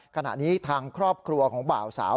ขณะนี้ทางครอบครัวของบ่าวสาว